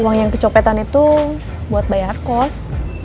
uang yang kecopetan itu buat bayar kos